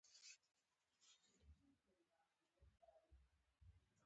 وروسته یې د هغه وخت د طالبانو حکومت په رسمیت وپېژاند